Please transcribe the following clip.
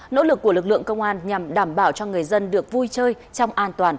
nỗ lực của lực lượng công an nhằm đảm bảo cho người dân được vui chơi trong an toàn